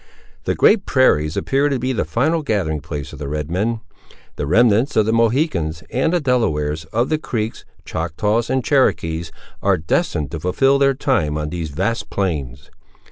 The Great Prairies appear to be the final gathering place of the red men. The remnants of the Mohicans, and the Delawares, of the Creeks, Choctaws, and Cherokees, are destined to fulfil their time on these vast plains.